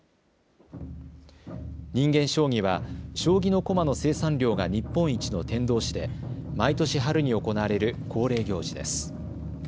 人間将棋は将棋の駒の生産量が日本一の天童市で毎年春に行われる恒例行事です。